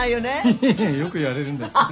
いえいえよく言われるんで。